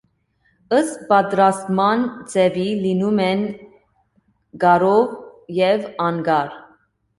Ըստ պատրաստման ձևի լինում են կարով և անկար։